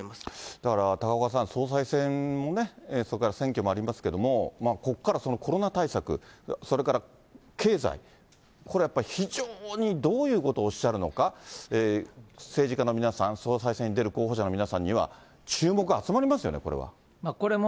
だから高岡さん、総裁選もね、それから選挙もありますけれども、ここからコロナ対策、それから経済、これはやっぱり非常にどういうことをおっしゃるのか、政治家の皆さん、総裁選に出る候補者の皆さんには注目集まりますよね、これは。